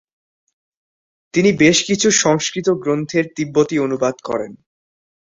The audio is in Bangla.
তিনি বেশ কিছু সংস্কৃত গ্রন্থের তিব্বতী অনুবাদ করেন।